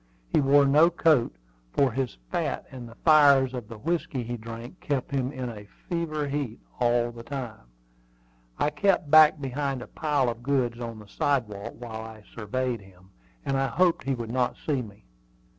He wore no coat, for his fat and the fires of the whiskey he drank kept him in a fever heat all the time. I kept back behind a pile of goods on the sidewalk while I surveyed him, and I hoped he would not see me.